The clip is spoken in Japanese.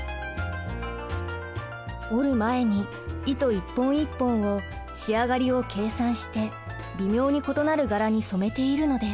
織る前に糸一本一本を仕上がりを計算して微妙に異なる柄に染めているのです。